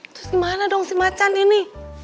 terus gimana dong si macan ini